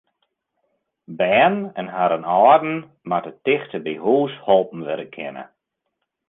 Bern en harren âlden moatte tichteby hús holpen wurde kinne.